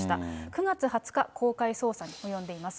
９月２０日、公開捜査に及んでいます。